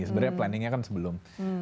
sebenarnya planningnya kan sebelum